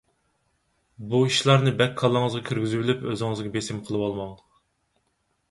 بۇ ئىشلارنى بەك كاللىڭىزغا كىرگۈزۈۋېلىپ ئۆزىڭىزگە بېسىم قىلىۋالماڭ.